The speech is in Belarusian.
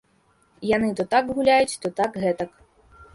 Яны то так гуляюць, то так гэтак.